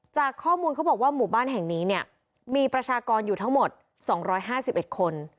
จากข้อมูลเขาบอกว่าหมู่บ้านแห่งนี้เนี่ยมีประชากรอยู่ทั้งหมด๒๕๑คน